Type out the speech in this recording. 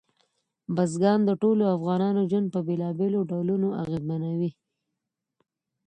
بزګان د ټولو افغانانو ژوند په بېلابېلو ډولونو اغېزمنوي.